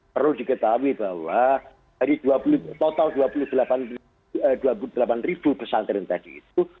perlu diketahui bahwa dari total dua puluh delapan pesantren tadi itu